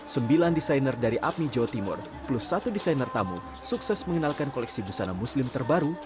sembilan desainer dari apmi jawa timur plus satu desainer tamu sukses mengenalkan koleksi busana muslim terbaru